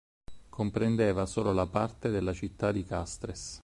Comprendeva solo parte della città di Castres.